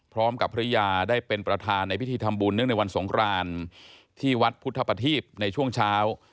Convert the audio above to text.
พร้อมกับภรรยาได้เป็นประธานในพิธีทำบุญเนื่องในวันสงครานที่วัดพุทธประทีพในช่วงเช้า